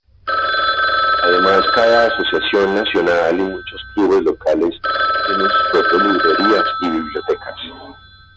Además cada asociación nacional y muchos clubes locales tienen sus propias librerías y bibliotecas.